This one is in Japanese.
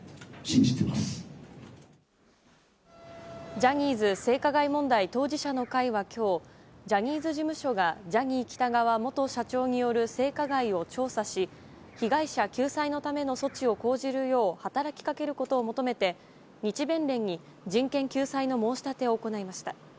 ジャニーズ性加害問題当事者の会は、今日ジャニーズ事務所がジャニー喜多川元社長による性加害を調査し被害者救済のための措置を講じるよう働きかけることを求めて日弁連に人権救済の申し立てを行いました。